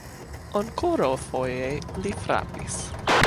Ankoraŭfoje li frapis.